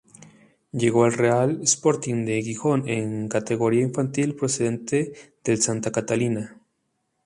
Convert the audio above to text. Llegó al Real Sporting de Gijón en categoría infantil procedente del Santa Catalina.